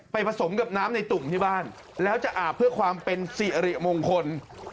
ผสมกับน้ำในตุ่มที่บ้านแล้วจะอาบเพื่อความเป็นสิริมงคล